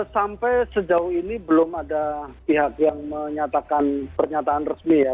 sampai sejauh ini belum ada pihak yang menyatakan pernyataan resmi ya